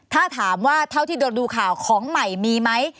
ถ้าถามว่าเท่าที่โดนดูข่าวของใหม่มีไหม